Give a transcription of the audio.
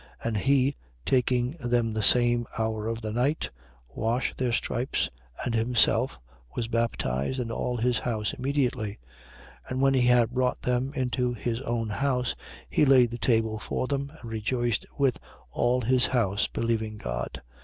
16:33. And he, taking them the same hour of the night, washed their stripes: and himself was baptized, and all his house immediately. 16:34. And when he had brought them into his own house, he laid the table for them: and rejoiced with all his house, believing God.